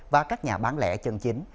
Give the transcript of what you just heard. và các nhà bán lẻ chân chính